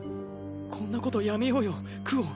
こんなことやめようよクオン。